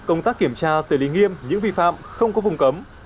công tác kiểm tra xử lý nghiêm những vi phạm không có vùng cấm